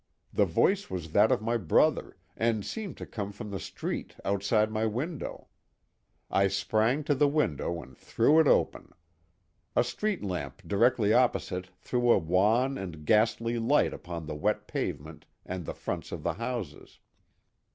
The voice was that of my brother and seemed to come from the street outside my window. I sprang to the window and threw it open. A street lamp directly opposite threw a wan and ghastly light upon the wet pavement and the fronts of the houses.